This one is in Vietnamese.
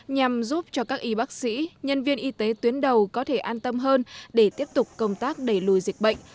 nhằm giúp cho các y bác sĩ nhân viên y tế tuyến đầu có thể an tâm hơn để tiếp tục công tác đẩy lùi dịch bệnh